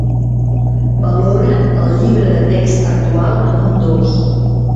Valora el llibre de text actual amb un dos